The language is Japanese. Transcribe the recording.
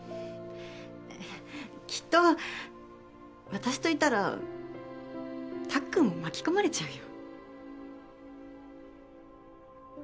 きっと私といたらたっくんも巻き込まれちゃうよ。